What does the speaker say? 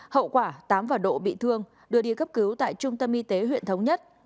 hậu quả tám và độ bị thương đưa đi cấp cứu tại trung tâm y tế huyện thống nhất